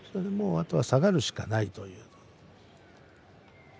あとは下がるしかないと。